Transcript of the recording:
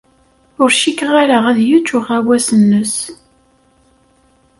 Ur cikkeɣ ara ad yečč uɣawas-nnes.